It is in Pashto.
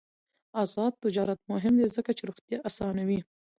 آزاد تجارت مهم دی ځکه چې روغتیا اسانوي.